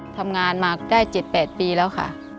ทำงานมาได้๗๘ปีแล้วค่ะ